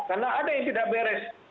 karena ada yang tidak beres